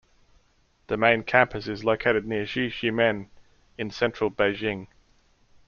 The main campus is located near Xizhimen in central Beijing.